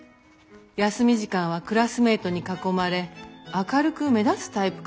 休み時間はクラスメートに囲まれ明るく目立つタイプかと。